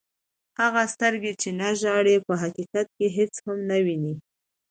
هغه سترګي، چي نه ژاړي په حقیقت کښي هيڅ هم نه ويني.